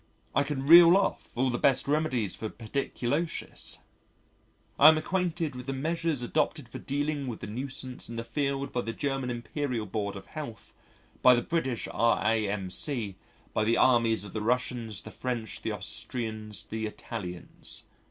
I can reel off all the best remedies for Pediculosis: I am acquainted with the measures adopted for dealing with the nuisance in the field by the German Imperial Board of Health, by the British R.A.M.C., by the armies of the Russians, the French, the Austrians, the Italians.